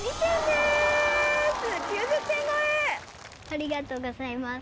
ありがとうございます。